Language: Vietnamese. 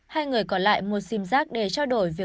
hai người còn lại mua xim rác để cho